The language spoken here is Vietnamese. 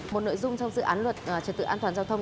một nội dung trong dự án luật trật tự an toàn giao thông